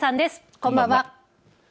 こんばんは。